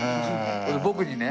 僕にね